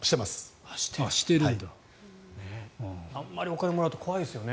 あまりお金をもらうと怖いですよね。